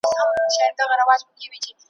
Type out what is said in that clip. یوه ورځ یې وو مېړه ستړی راغلی ,